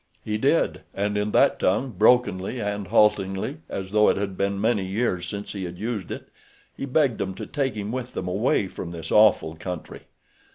He did, and in that tongue, brokenly and haltingly, as though it had been many years since he had used it, he begged them to take him with them away from this awful country.